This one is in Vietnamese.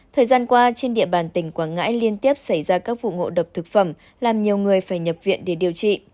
thời gian qua trên địa bàn tỉnh quảng ngãi liên tiếp xảy ra các vụ ngộ độc thực phẩm làm nhiều người phải nhập viện để điều trị